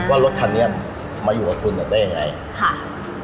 ว่ารถคันนี้มาอยู่กับคุณได้ยังไงค่ะ